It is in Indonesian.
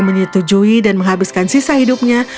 menyetujui dan menghabiskan sisa hidupnya